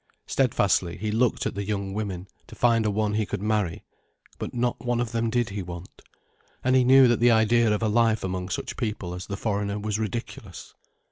Steadfastly he looked at the young women, to find a one he could marry. But not one of them did he want. And he knew that the idea of a life among such people as the foreigner was ridiculous.